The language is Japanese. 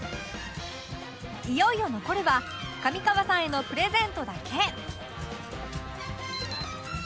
いよいよ残るは上川さんへのプレゼントだけ